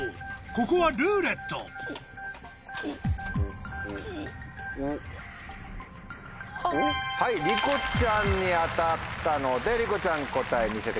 ここは「ルーレット」りこちゃんに当たったのでりこちゃん答え見せてください。